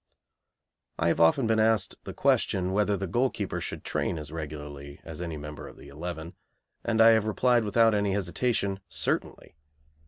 I have often been asked the question whether the goalkeeper should train as regularly as any member of the eleven, and I have replied without any hesitation "Certainly."